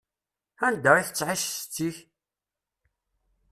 Anda i tettƐic setti-k?